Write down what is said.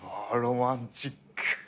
わロマンチック。